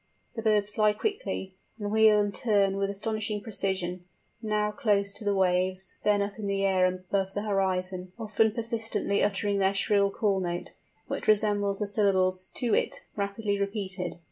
The birds fly quickly, and wheel and turn with astonishing precision, now close to the waves, then up in the air above the horizon, often persistently uttering their shrill call note, which resembles the syllables too it rapidly repeated.